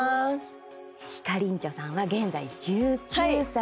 ひかりんちょさんは、現在１９歳。